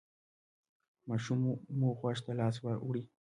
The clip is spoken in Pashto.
ماشوم مو غوږ ته لاس وړي؟